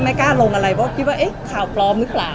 ไม่กล้าลงอะไรเพราะว่าข่าวปลอมหรือเปล่า